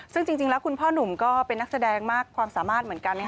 ซึ่งจริงแล้วคุณพ่อหนุ่มก็เป็นนักแสดงมากความสามารถเหมือนกัน